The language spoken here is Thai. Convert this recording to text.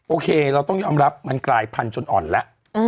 โอเคเราต้องยอมรับมันกลายพันธุจนอ่อนแล้ว